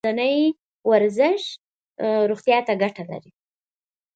ورځنی ورزش روغتیا ته ګټه لري.